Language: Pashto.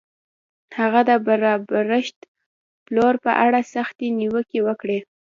هغه د برابرښت پلور په اړه سختې نیوکې وکړې.